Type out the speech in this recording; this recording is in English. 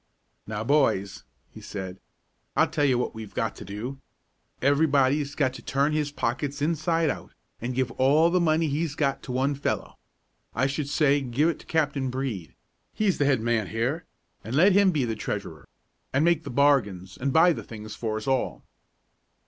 "Now, boys," he said, "I'll tell you what we've got to do. Everybody's got to turn his pockets inside out, an' give all the money he's got to one fellow. I should say give it to Captain Brede, he's the head man here, an' let him be the treasurer, an' make the bargains an' buy the things for us all."